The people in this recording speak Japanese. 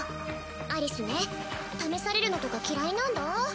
アリスね試されるのとか嫌いなんだ。